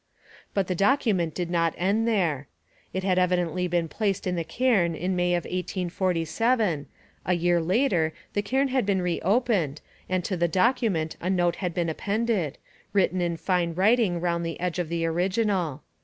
But the document did not end there. It had evidently been placed in the cairn in May of 1847; a year later the cairn had been reopened and to the document a note had been appended, written in fine writing round the edge of the original.